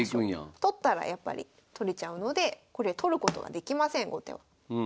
取ったらやっぱり取れちゃうのでこれ取ることはできません後手は。